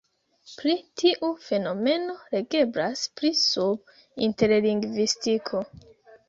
Pri tiu fenomeno legeblas pli sub interlingvistiko.